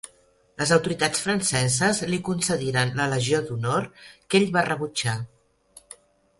Les autoritats franceses li concediren la Legió d'Honor, que ell va rebutjar.